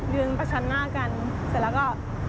ประชันหน้ากันเสร็จแล้วก็